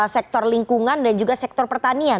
sektor lingkungan dan juga sektor pertanian